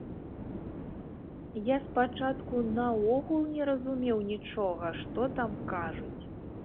Я спачатку наогул не разумеў нічога, што там кажуць!